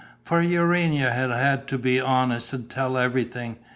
For Urania had had to be honest and tell everything.